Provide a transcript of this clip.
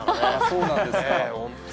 そうなんですか。